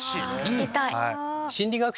聞きたい。